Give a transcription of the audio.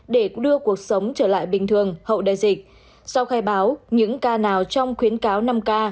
để đưa cuộc sống trở lại bình thường hậu đại dịch sau khai báo những ca nào trong khuyến cáo năm k